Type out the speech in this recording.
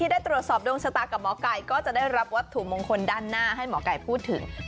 ดวงชะตากับหมอกายก็จะได้รับวัตถุมงคลด้านหน้าให้หมอกายพูดถึง